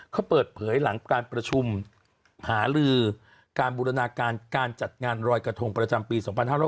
เขาเปิดเผยหลังการประชุมหาลือการบูรณาการการจัดงานรอยกระทงประจำปี๒๕๖๐